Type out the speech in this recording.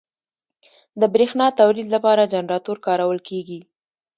د برېښنا تولید لپاره جنراتور کارول کېږي.